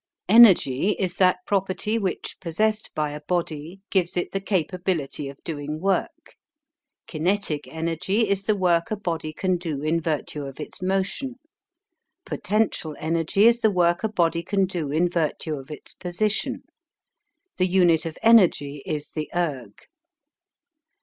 Energy is that property which, possessed by a body, gives it the capability of doing work. Kinetic energy is the work a body can do in virtue of its motion. Potential energy is the work a body can do in virtue of its position. The unit of energy is the Erg.